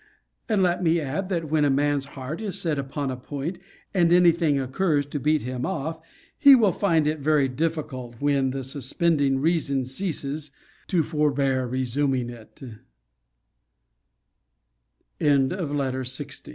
And, let me add, that when a man's heart is set upon a point, and any thing occurs to beat him off, he will find it very difficult, when the suspending reason ceases, to forbear resumi